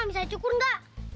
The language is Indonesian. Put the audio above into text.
bang bisa cukur enggak